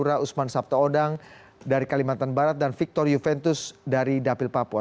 kepada ketua umum partai hanura usman sabtaodang dari kalimantan barat dan victor juventus dari daerah pemilihan papua